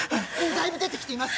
だいぶ出てきています。